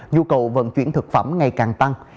nhu cầu vận chuyển thực phẩm ngày càng tăng